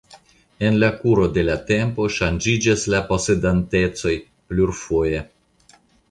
En la kuro de la tempo ŝanĝiĝis la posedantecoj plurfoje.